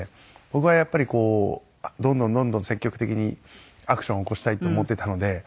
僕はやっぱりどんどんどんどん積極的にアクションを起こしたいって思ってたので。